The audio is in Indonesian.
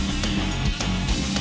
terima kasih chandra